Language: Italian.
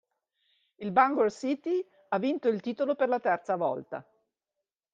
Il Bangor City ha vinto il titolo per la terza volta.